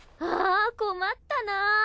あ困ったな。